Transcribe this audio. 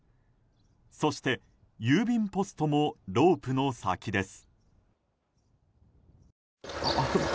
そして、郵便ポストもロープの先です。